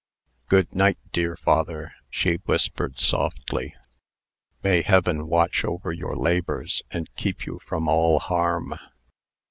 "Good night, dear father," she whispered, softly. "May Heaven watch over your labors, and keep you from all harm."